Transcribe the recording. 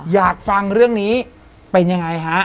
อยากฟังเรื่องนี้เป็นยังไงฮะ